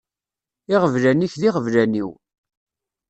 Iɣeblan-ik d iɣeblan-iw.